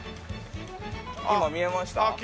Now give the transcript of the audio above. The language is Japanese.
今見えました？